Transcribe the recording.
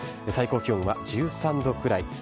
最高気温は１３度くらい。